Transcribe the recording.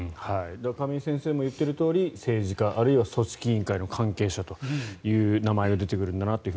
亀井先生も言っているとおり政治家あるいは組織委員会の関係者という名前が出てくるのかなと。